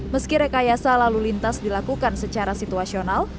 meski rekayasa lalu lintas dilakukan secara situasional